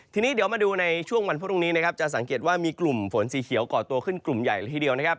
ทีนี้เดี๋ยวมาดูในช่วงวันพรุ่งนี้นะครับจะสังเกตว่ามีกลุ่มฝนสีเขียวก่อตัวขึ้นกลุ่มใหญ่ละทีเดียวนะครับ